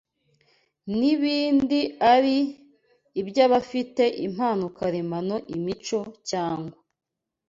n'ibindi ari iby'abafite impano karemano imico cyangwa